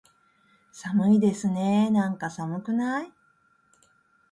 寒いですねーなんか、寒くない？